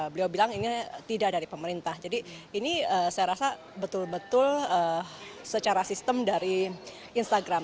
beliau bilang ini tidak dari pemerintah jadi ini saya rasa betul betul secara sistem dari instagram